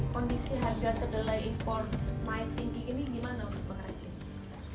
kondisi harga kedelai impor naik tinggi ini gimana untuk pengrajin